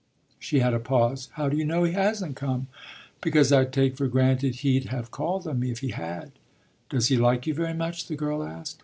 She had a pause. "How do you know he hasn't come?" "Because I take for granted he'd have called on me if he had." "Does he like you very much?" the girl asked.